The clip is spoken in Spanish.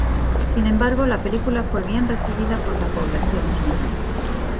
Sin embargo la película fue bien recibida por la población china.